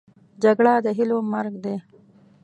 جګړه د هیلو مرګ دی